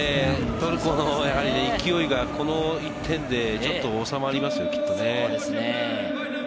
トルコも１点が、この１点で収まりますよ、きっとね。